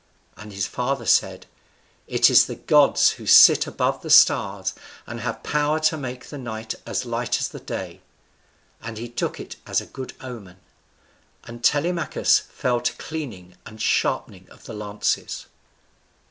And his father said, "It is the gods who sit above the stars, and have power to make the night as light as the day." And he took it for a good omen. And Telemachus fell to cleaning and sharpening of the lances.